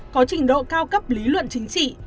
có trình độ cao cấp lý luận chính trị